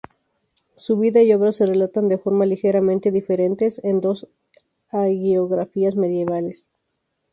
Su vida y obras se relatan de forma ligeramente diferente en dos hagiografías medievales.